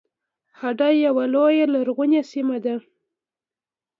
هډه یوه لویه لرغونې سیمه ده